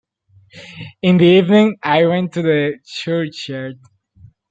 In the evening I went to the churchyard.